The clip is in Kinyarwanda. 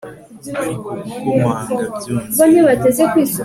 Ariko gukomanga byongeye